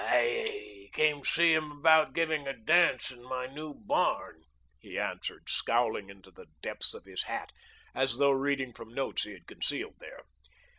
"I came to see about giving a dance in my new barn," he answered, scowling into the depths of his hat, as though reading from notes he had concealed there.